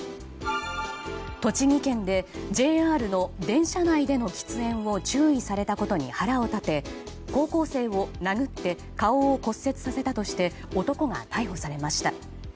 栃木県でＪＲの電車内での喫煙を注意されたことに腹を立て、高校生を殴って顔を骨折させたとして男が逮捕されました。